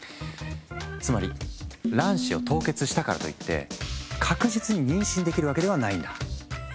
つまり卵子を凍結したからといって確実に妊娠できるわけではないんだ。